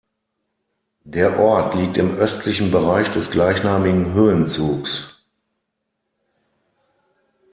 Der Ort liegt im östlichen Bereich des gleichnamigen Höhenzugs.